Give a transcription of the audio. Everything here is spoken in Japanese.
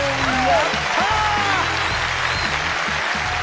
やった！